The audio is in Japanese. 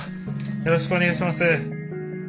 よろしくお願いします。